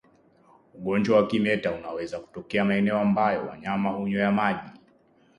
Ugonjwa wa kimeta unaweza kutokea maeneo ambayo wanyama hunywea maji